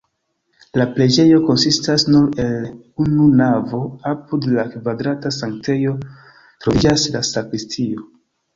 La preĝejo konsistas nur el unu navo, apud la kvadrata sanktejo troviĝas la sakristio.